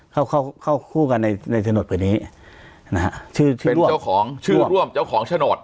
เข้าเข้าคู่กันในในโฉนดไปนี้นะฮะชื่อชื่อเป็นเจ้าของชื่อร่วมเจ้าของโฉนด